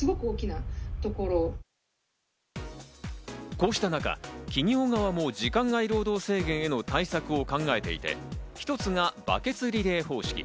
こうした中、企業側も時間外労働制限への対策を考えていて、一つがバケツリレー方式。